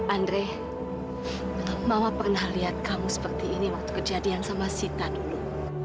andre mama pernah lihat kamu seperti ini waktu kejadian sama sita dulu